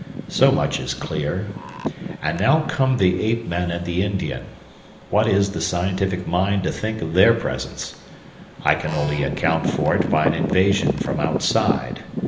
So much is clear. And now come the ape men and the Indian. What is the scientific mind to think of their presence? I can only account for it by an invasion from outside.